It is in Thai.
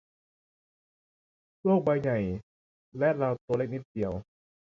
โลกใบใหญ่และเราตัวเล็กนิดเดียว